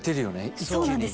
一気にね。